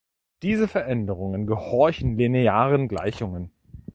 Diese Veränderungen gehorchen linearen Gleichungen.